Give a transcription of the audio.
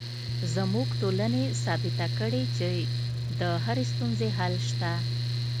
زموږ ټولنې ثابته کړې چې د هرې ستونزې حل شته